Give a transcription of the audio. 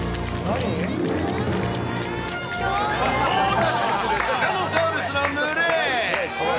猛ダッシュするティラノサウルスの群れ。